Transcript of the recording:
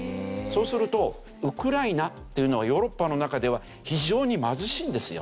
そうするとウクライナっていうのはヨーロッパの中では非常に貧しいんですよ。